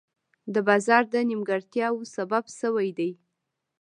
د بازار د نیمګړتیا سبب شوي دي.